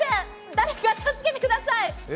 誰か助けてください。